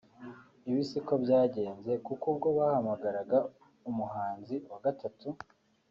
Ibi siko byagenze kuko ubwo bahamagaraga umuhanzi wa gatatu